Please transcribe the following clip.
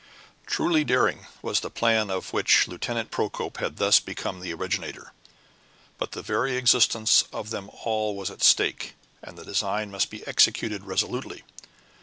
Truly daring was the plan of which Lieutenant Procope had thus become the originator; but the very existence of them all was at stake, and the design must be executed resolutely.